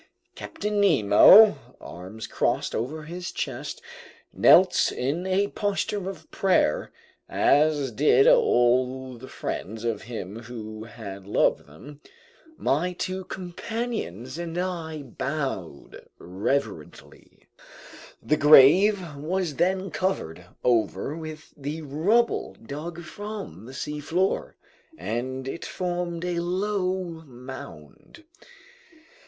Captain Nemo, arms crossed over his chest, knelt in a posture of prayer, as did all the friends of him who had loved them. ... My two companions and I bowed reverently. The grave was then covered over with the rubble dug from the seafloor, and it formed a low mound.